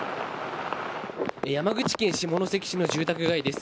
山口県下関市の住宅街です。